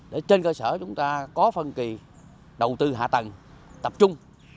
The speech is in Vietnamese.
để trên cơ sở chúng ta có phân kỳ đầu tư hạ tầng tập trung